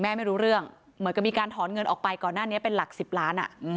ไม่รู้เรื่องเหมือนกับมีการถอนเงินออกไปก่อนหน้านี้เป็นหลัก๑๐ล้าน